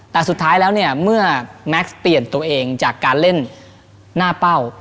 แต่สุดท้ายแล้วเนี่ยเมื่อแม็กซ์เปลี่ยนตัวเองจากการเล่นหน้าเป้า